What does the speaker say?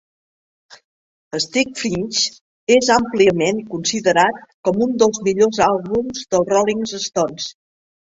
"Sticky Fingers" és àmpliament considerat com un dels millors àlbums dels Rolling Stones.